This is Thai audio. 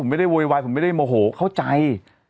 ไม่ได้โวยวายผมไม่ได้โมโหเข้าใจ